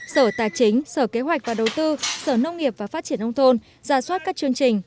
sở tài chính sở kế hoạch và đầu tư sở nông nghiệp và phát triển nông thôn ra soát các chương trình